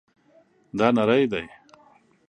دا نری دی